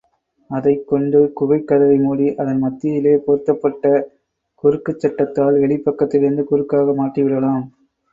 அதைக்கொண்டு குகைக் கதவை மூடி, அதன் மத்தியிலே பொருத்தப்பட்ட குறுக்குச் சட்டத்தால் வெளிப் பக்கத்திலிருந்து குறுக்காக மாட்டிவிடலாம்.